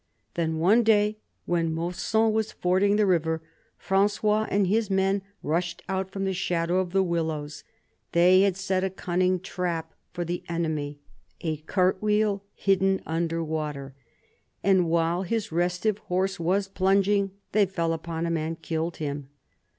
Then one day, when Mausson was fording the river, Frangois and his men rushed out from the shadow of the willows. They had set a cunning trap for the enemy, a cart wheel hidden under water, and while his restive horse was plunging, they fell upon him and killed him.